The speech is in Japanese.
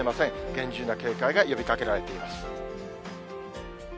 厳重な警戒が呼びかけられています。